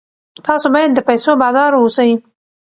تاسو باید د پیسو بادار اوسئ.